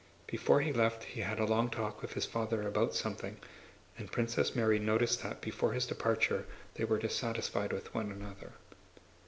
Before he left he had a long talk with his father about something, and Princess Mary noticed that before his departure they were dissatisfied with one another.